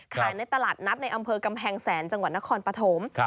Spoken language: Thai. ในตลาดนัดในอำเภอกำแพงแสนจังหวัดนครปฐม